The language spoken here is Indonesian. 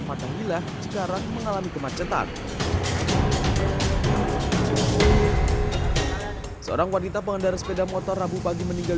patah wilah cikarang mengalami kemacetan seorang wanita pengendara sepeda motor rabu pagi meninggal